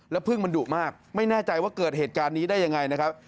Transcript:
พึ่งมันดุมากไม่แน่ใจว่าเกิดเหตุการณ์นี้ได้ยังไงนะครับ